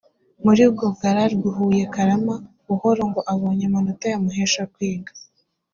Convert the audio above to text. murigo g rard huye karama buhoro ngo abone amanota yamuhesha kwiga